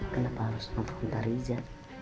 kenapa harus menelepon pak riza